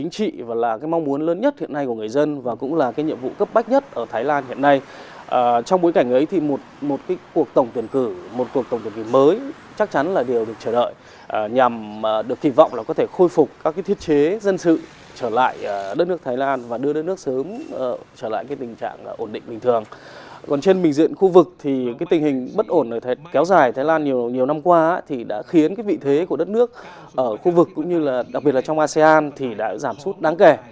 còn trên bình diện khu vực thì cái tình hình bất ổn kéo dài thái lan nhiều năm qua thì đã khiến cái vị thế của đất nước ở khu vực cũng như là đặc biệt là trong asean thì đã giảm sút đáng kẻ